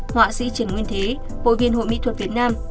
họa sĩ trần nguyên thế hội viên hội mỹ thuật việt nam